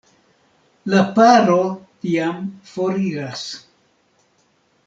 La paro tiam foriras.